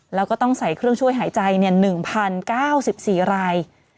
แล้วก็ต้องใส่เครื่องช่วยหายใจ๑๐๙๔ราย